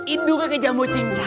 idungnya kejamu cincal